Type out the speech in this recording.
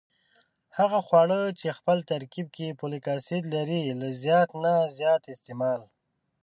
هغه خواړه چې خپل ترکیب کې فولک اسید لري له زیات نه زیات استعمال